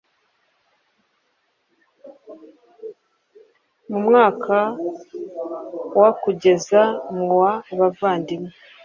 mu mwaka wa kugeza mu wa abavandimwe